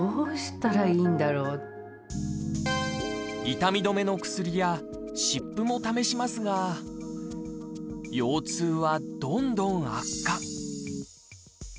痛み止めの薬や湿布も試しますが腰痛はどんどん悪化。